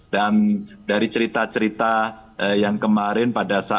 dan dari cerita cerita yang kemarin pada saatnya